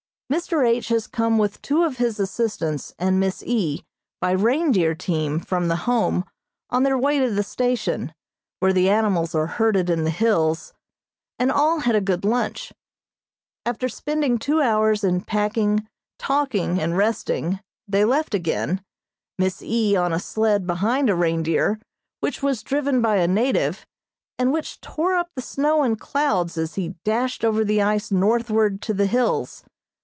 Mr. H. has come with two of his assistants and Miss E. by reindeer team from the Home on their way to the station, where the animals are herded in the hills, and all had a good lunch. After spending two hours in packing, talking and resting, they left again, Miss E. on a sled behind a reindeer, which was driven by a native, and which tore up the snow in clouds as he dashed over the ice northward to the hills.